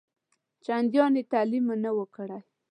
چنداني تعلیم نه وو کړی.